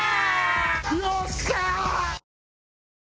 よっしゃー！